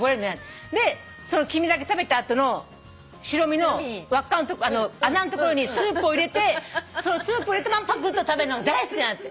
でその黄身だけ食べた後の白身の穴のところにスープを入れてスープを入れたまま食べるのが大好きなんだって。